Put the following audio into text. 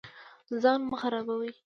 ځان مه خرابوئ